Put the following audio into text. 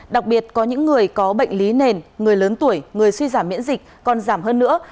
đặc biệt có những người có bệnh lý nền người lớn tuổi người suy giảm miễn dịch còn giảm hơn nữa